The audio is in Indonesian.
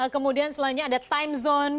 kemudian selanjutnya ada timezone